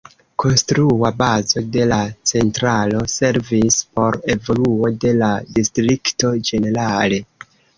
Konstrua bazo de la centralo servis por evoluo de la distrikto ĝenerale.